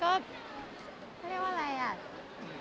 ก็ไม่ได้ว่าอะไรอะ